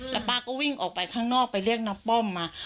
แล้วป้าก็วิ่งออกไปข้างนอกไปเรียกน้าป้อมมา